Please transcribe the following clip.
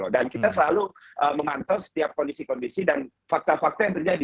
dan kita selalu mengantar setiap kondisi kondisi dan fakta fakta yang terjadi